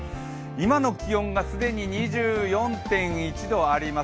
今の気温が既に２４．１度あります。